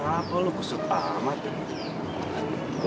kenapa lo kusut amat ya